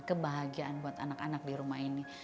kebahagiaan buat anak anak di rumah ini